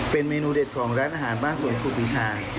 เป็นเมนูเด็ดของร้านอาหารบ้านสวนครูปีชาย